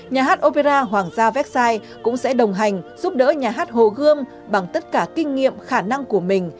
nhà hát opera hoàng gia vecsai cũng sẽ đồng hành giúp đỡ nhà hát hồ gươm bằng tất cả kinh nghiệm khả năng của mình